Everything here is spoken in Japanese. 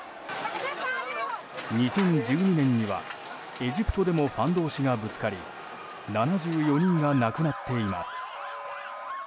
２０１２年には、エジプトでもファン同士がぶつかり７４人が亡くなっています。